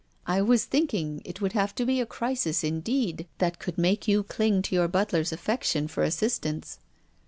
" I was thinking it would have to be a crisis indeed that could make you cling to your butler's affection for assistance."